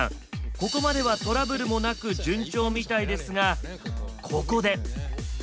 ここまではトラブルもなく順調みたいですがここで。